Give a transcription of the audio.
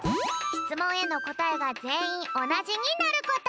しつもんへのこたえがぜんいんおなじになること。